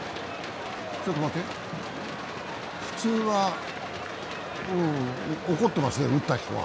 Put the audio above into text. ちょっと待って、普通は怒ってますよね、打った人は。